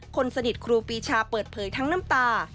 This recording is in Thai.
คนสนิทครูปีชาเปิดเผยทั้งน้ำตา